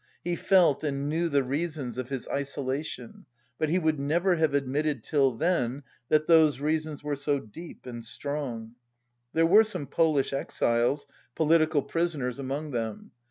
He felt and knew the reasons of his isolation, but he would never have admitted till then that those reasons were so deep and strong. There were some Polish exiles, political prisoners, among them.